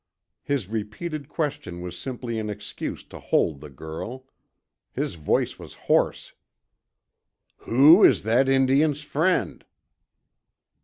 His repeated question was simply an excuse to hold the girl. His voice was hoarse. "Who is that Indian's friend?"